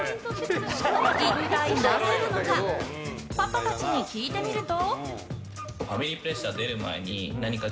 一体なぜなのかパパたちに聞いてみると。